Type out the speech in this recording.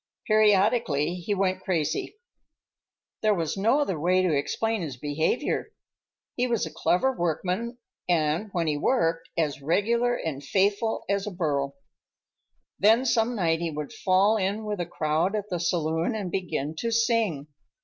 Periodically he went crazy. There was no other way to explain his behavior. He was a clever workman, and, when he worked, as regular and faithful as a burro. Then some night he would fall in with a crowd at the saloon and begin to sing.